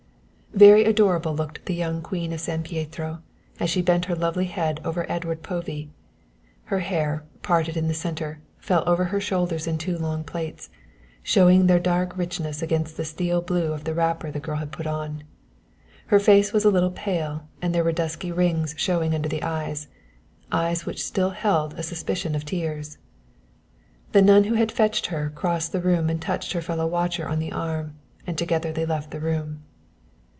Very adorable looked the young Queen of San Pietro as she bent her lovely head over Edward Povey. Her hair, parted in the centre, fell over her shoulders in two long plaits, showing their dark richness against the steel blue of the wrapper the girl had put on. Her face was a little pale and there were dusky rings showing under the eyes eyes which still held a suspicion of tears. The nun who had fetched her crossed the room and touched her fellow watcher on the arm, and together they left the room.